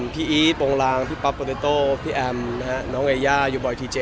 พี่อีทโปรงลางพี่ป๊อปโปเดโต้พี่แอมน้องเอย่ายูบอยทีเจ